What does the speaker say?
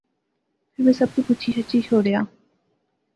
فیر میں سب کی پچھی شچھی شوڑیا